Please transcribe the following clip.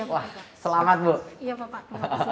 wah selamat bu iya bapak